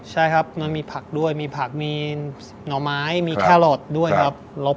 ใช่ครับมันมีผักด้วยมีผักมีหน่อไม้มีแครอทด้วยครับ